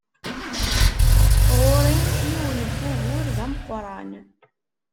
Ɣur-i yiwen n wugur d ameqran.